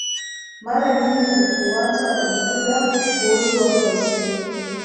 mara nyingi hufuata Ubuddha Kuhusu watu wasio